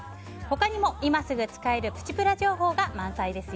他にも今すぐ使えるプチプラ情報が満載です。